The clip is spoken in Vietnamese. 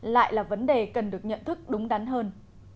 lại là vấn đề cần được nhận thức đúng đắn hơn